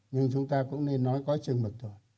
nhưng chúng ta cũng nên nói có chừng một tuổi